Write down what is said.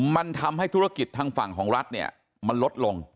มันทำให้ธุรกิจทางฝั่งของรัฐเนี่ยมันลดลง